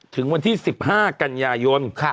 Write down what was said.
ถึงวันที่๑๕กันยายน